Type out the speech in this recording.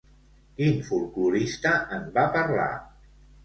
Quin folklorista en va parlar?